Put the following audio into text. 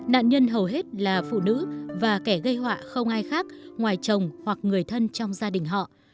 nạn nhân hầu hết là phụ nữ và kẻ gây họa không ai khác ngoài chồng hoặc người thân trong gia đình họ